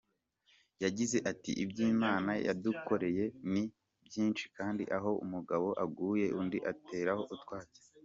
Yagize ati “Iby’Imana yadukoreye ni byinshi kandi aho umugabo aguye, undi ateraho utwatsi”